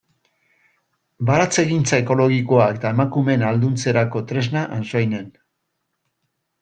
Baratzegintza ekologikoa emakumeen ahalduntzerako tresna Antsoainen.